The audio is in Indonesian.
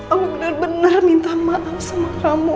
aku bener bener minta maaf sama kamu